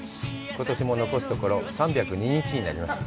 ことしも残すところ３０２日になりました。